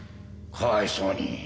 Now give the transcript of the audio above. かわいそうに。